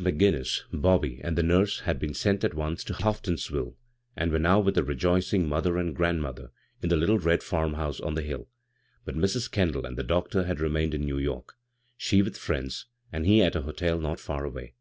McGINNIS, Bobby, and the nurse had been sent at once to Houghtonsville, and were now with a rejoicing mother and grandmother in tlie litde red farmhouse on the hill ; but Mrs. Kendall and the doctor had remained in New York, she with friends, and he at a hotel not far away.